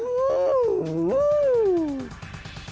โอ้โฮ